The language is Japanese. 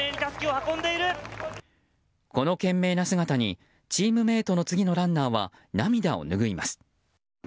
この賢明な姿にチームメートの次のランナーは涙を拭います。